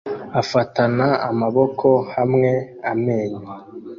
afatana amaboko hamwe amenyo